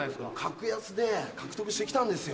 格安で獲得してきたんですよ。